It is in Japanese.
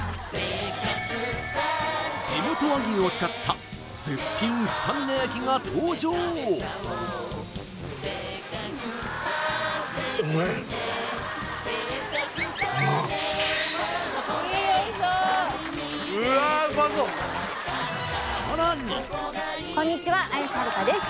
地元和牛を使った絶品スタミナ焼きが登場いいうわこんにちは綾瀬はるかです